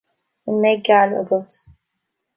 An mbeidh gal agat?